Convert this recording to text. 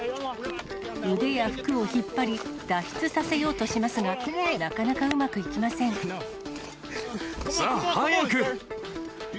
腕や服を引っ張り、脱出させようとしますが、なかなかうまくいきさあ、早く！